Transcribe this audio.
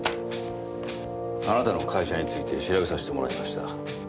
あなたの会社について調べさせてもらいました。